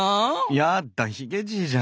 やっだヒゲじいじゃん。